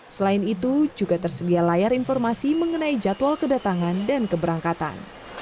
selain itu juga tersedia layar informasi mengenai jadwal kedatangan dan keberangkatan